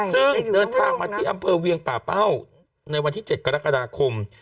ซึ่งเดินทางมาที่อำเภอเวียงป่าเป้าในวันที่๗กรกฎาคม